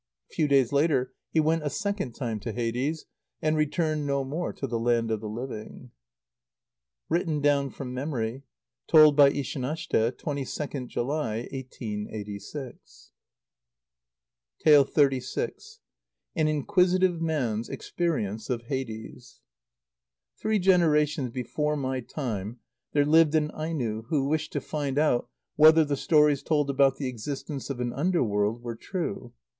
A few days later he went a second time to Hades, and returned no more to the land of the living. (Written down from memory. Told by Ishanashte, 22nd July, 1886.) xxxvi. An Inquisitive Man's Experience of Hades. Three generations before my time there lived an Aino who wished to find out whether the stories told about the existence of an under world were true.